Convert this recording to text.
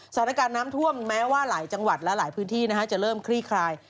สถานการณ์น้ำท่วมแม้ว่าหลายจังหวัดและหลายพื้นที่จะเริ่มคลี่คลาย